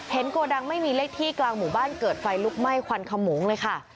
โกดังไม่มีเลขที่กลางหมู่บ้านเกิดไฟลุกไหม้ควันขโมงเลยค่ะ